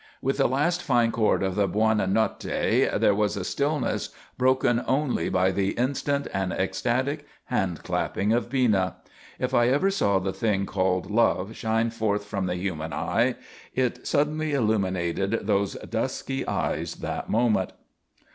With the last fine chord of the Buona Notte there was a stillness broken only by the instant and ecstatic handclapping of Bina. If I ever saw the thing called Love shine forth from the human eyes, it suddenly illuminated those dusky eyes that moment.